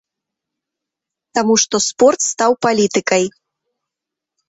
Таму што спорт стаў палітыкай.